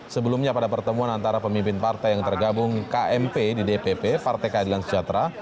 sebelumnya pada pertemuan antara pemimpin partai yang tergabung kmp di dpp partai keadilan sejahtera